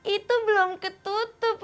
itu belum ketutup